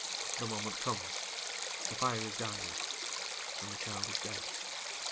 The moment comes, the fire is dying—and the child is dead.